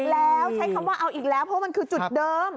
แล้วใช้คำว่าเอาอีกแล้วเพราะมันคือจุดเดิม